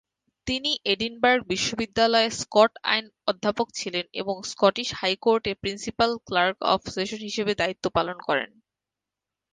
তিনি এডিনবার্গ বিশ্ববিদ্যালয়ে স্কট আইন অধ্যাপক ছিলেন এবং স্কটিশ হাইকোর্টে প্রিন্সিপাল ক্লার্ক অফ সেশন হিসেবে দায়িত্ব পালন করেন।